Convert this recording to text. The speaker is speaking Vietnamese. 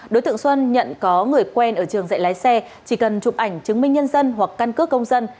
đối tượng xuân nhận có người quen ở trường dạy lái xe chỉ cần chụp ảnh chứng minh nhân dân hoặc căn cước công dân